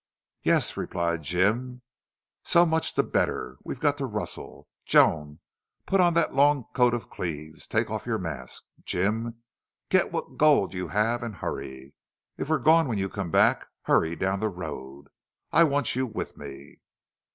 "Yes," replied Jim. "So much the better. We've got to rustle.... Joan, put on that long coat of Cleve's. Take off your mask.... Jim, get what gold you have, and hurry. If we're gone when you come back hurry down the road. I want you with me."